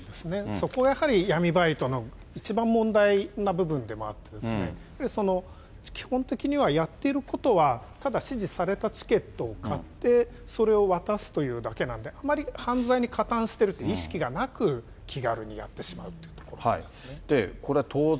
そこ、やはり、闇バイトの一番問題な部分でもあってですね、基本的にはやっていることは、ただ指示されたチケットを買って、それを渡すというだけなんで、あまり犯罪に加担してるって意識がなく、気軽にやってしまうということですね。